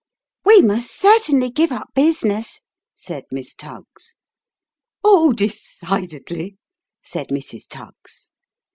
' We must certainly give up business," said Miss Tuggs. ' Oh, decidedly," said Mrs. Tuggs.